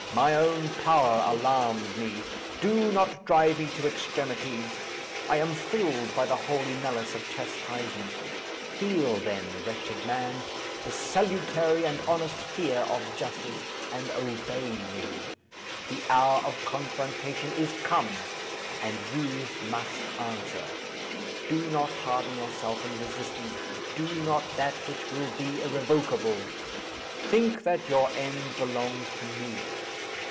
My own power alarms me. Do not drive me to extremities. I am filled by the holy malice of chastisement. Feel, then, wretched man, the salutary and honest fear of justice, and obey me. The hour of confrontation is come, and you must answer. Do not harden yourself in resistance. Do not that which will be irrevocable. Think that your end belongs to me.